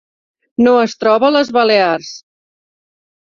No es troba a les Balears.